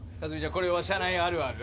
これは社内あるある。